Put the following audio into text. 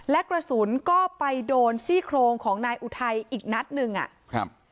และกระสุนก็ไปโดนซี่โครงของนายอุทัยอีกนัดหนึ่งอ่ะครับ